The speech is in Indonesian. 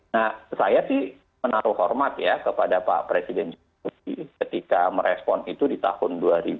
nah saya sih menaruh hormat ya kepada pak presiden jokowi ketika merespon itu di tahun dua ribu dua